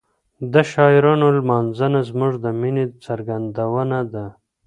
د شاعرانو لمانځنه زموږ د مینې څرګندونه ده.